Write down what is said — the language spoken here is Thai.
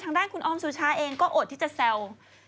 ทางด้านคุณออมสุชาเองก็อดที่จะแซว